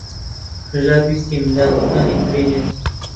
هەژار ویستی منداڵەکانی ببینێت.